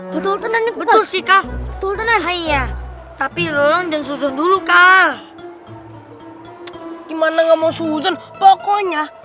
betul betul sih kak betul betul iya tapi lo dan susun dulu kak gimana nggak mau susan pokoknya